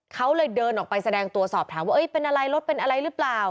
เขาเลยเดินออกไปแสดงตัวสอบถามว่าเป็นอะไรรถเป็นอะไรหรือเปล่า